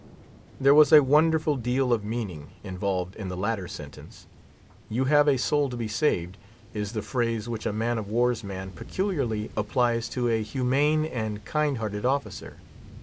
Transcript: There was a wonderful deal of meaning involved in the latter sentence. You have a soul to be saved, is the phrase which a man of war's man peculiarly applies to a humane and kind hearted officer.